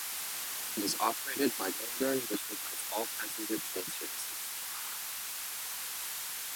It is operated by Northern, which provides all passenger train services.